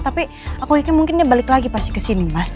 tapi aku yakin mungkin dia balik lagi pasti kesini mas